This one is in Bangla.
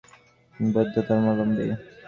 তিনি বৌদ্ধ ধর্মালম্বী।